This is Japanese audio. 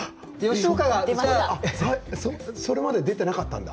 それまで出ていなかったんだ。